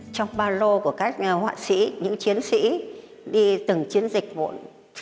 trong ba lô của các họa sĩ những chiến sĩ đi từng chiến dịch vụn